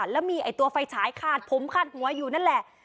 แล้วมีตัวไฟฉายคาดผมคาดหัวอยู่นั่นแหละ